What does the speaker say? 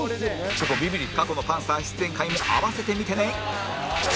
過去のパンサー出演回も併せて見てね！